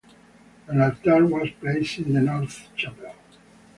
An altar was placed in the North chapel.